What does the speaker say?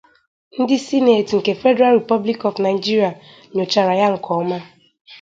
Ndi Senate nke Federal Republic of Nigeria nyochara ya nke ọma.